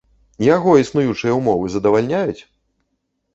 Яго існуючыя ўмовы задавальняюць?